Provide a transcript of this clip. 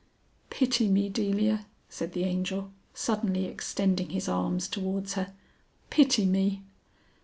"Pity me, Delia," said the Angel, suddenly extending his arms towards her; "pity me."